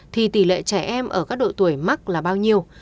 thì tỷ lệ trẻ em ở các độ tuổi mắc là bao nhiêu